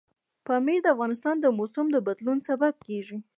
پامیر د افغانستان د موسم د بدلون سبب کېږي.